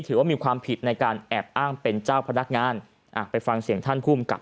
ถือว่ามีความผิดในการแอบอ้างเป็นเจ้าพนักงานไปฟังเสียงท่านภูมิกับ